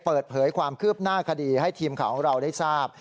เปิดเผยความคืบหน้าคดีให้ทีมข่าวของเราได้ทราบ